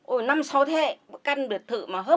ôi năm sau thế hệ căn biệt thự mà hớp